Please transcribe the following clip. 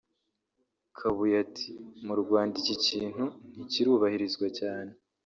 Kabuye ati “Mu Rwanda iki kintu ntikirubahirizwa cyane